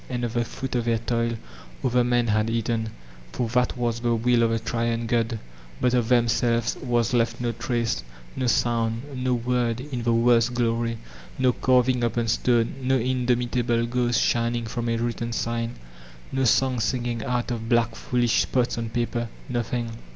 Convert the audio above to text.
And of die fruit of their toil other men had eaten, for that was die will of the triune god; but of themselves was left no trace, no sound, no word, in the world's glory ; no carving upon stone, no indomitable ghost shining from a written sign, no song singing out of black foolish spots on paper, — nothing.